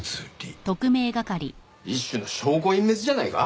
一種の証拠隠滅じゃないか？